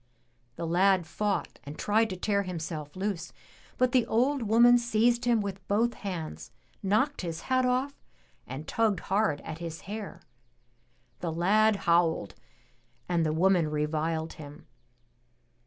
The lad fought and tried to tear himself loose, but the old woman seized him with both hands, knocked his hat off and tugged hard at his hair. The lad howled and the woman reviled him.